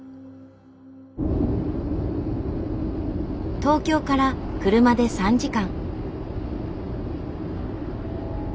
東京から車で３時間。